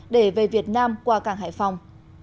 để về việt nam qua cảng hải phòng